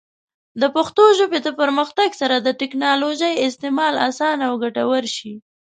د پښتو ژبې د پرمختګ سره، د ټیکنالوجۍ استعمال اسانه او ګټور شي.